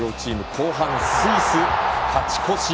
後半スイスが勝ち越し。